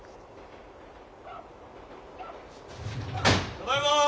ただいま！